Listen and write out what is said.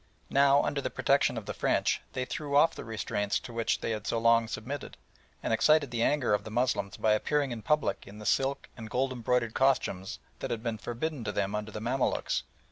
Now, under the protection of the French, they threw off the restraints to which they had so long submitted, and excited the anger of the Moslems by appearing in public in the silk and gold embroidered costumes that had been forbidden to them under the Mamaluks.